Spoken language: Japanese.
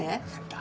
誰？